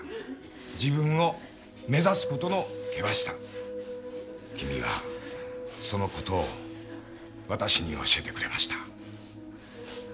自分を目指すことの険しさ君はそのことを私に教えてくれました。